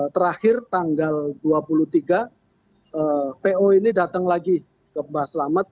terakhir tanggal dua puluh tiga po ini datang lagi ke mbak selamat